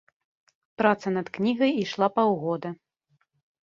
Праца над кнігай ішла паўгода.